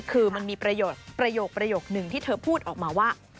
คือมันมีประโยชน์ประโยคหนึ่งที่เธอพูดออกมาว่า